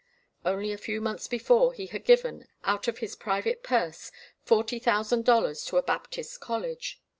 Only a few months before he had given, out of his private purse, forty thousand dollars to a Baptist college.